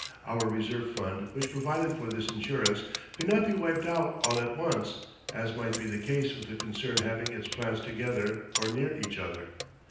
Our reserve fund which provided for this insurance could not be wiped out all at once, as might be the case with a concern having its plants together or near each other.